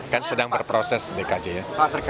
kan sedang berproses dkj ya